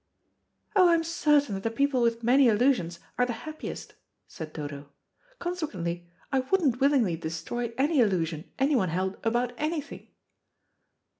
"Oh, I'm certain that the people with many illusions are the happiest," said Dodo. "Consequently, I wouldn't willingly destroy any illusion anyone held about anything."